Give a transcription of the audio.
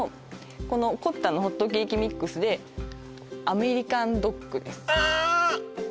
このｃｏｔｔａのホットケーキミックスでアメリカンドッグあ